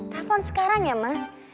telepon sekarang ya mas